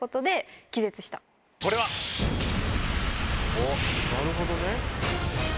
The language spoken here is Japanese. おっなるほどね。